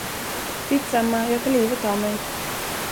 Skitsamma, jag tar livet av mig.